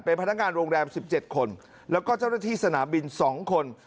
เป็นพนักงานโรงแรม๑๗คนแล้วก็เจ้าหน้าที่สนามบิน๒คน